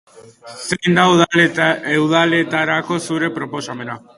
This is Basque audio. Zein da udaletarako zure proposamena?